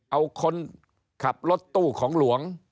เอาคนขับรถตู้ของหลวง